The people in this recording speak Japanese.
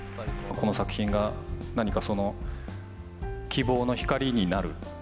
この作品が、何か希望の光になる。